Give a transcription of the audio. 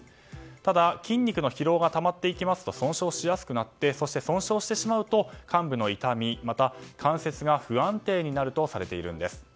ただ、筋肉の疲労がたまっていきますと損傷しやすくなって損傷してしまうと患部の痛みまた、関節が不安定になるとされているんです。